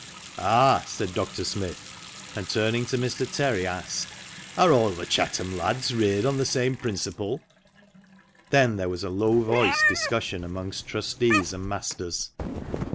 " Ah !" said Dr. Smith, and, turning to Mr. Terry, asked, "Are all the Chetham lads reared on the same principle?" Then there was a low voiced discussion amongst trustees and masters.